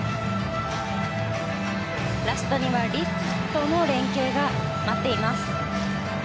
ラストにはリフトの連係が待っています。